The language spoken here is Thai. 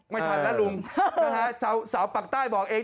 ไม่ทันแล้วลุงนะฮะสาวปากใต้บอกเอง